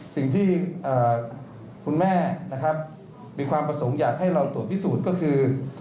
สิ่งที่คุณแม่นะครับมีความประสงค์อยากให้เราตรวจพิสูจน์ก็คือ